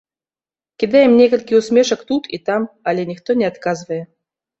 Кідаем некалькі ўсмешак тут і там, але ніхто не адказвае.